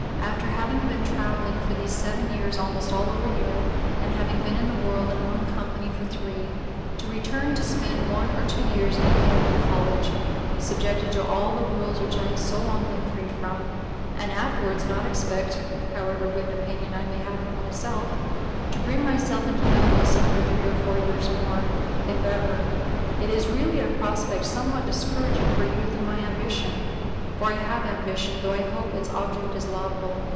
After having been travelling for these seven years almost and all over Europe, and having been in the world and among company for three; to return to spend one or two years in the pale of a college, subjected to all the rules which I have so long been freed from; and afterwards not expect (however good an opinion I may have of myself) to bring myself into notice under three or four years more, if ever! It is really a prospect somewhat discouraging for a youth of my ambition, (for I have ambition though I hope its object is laudable).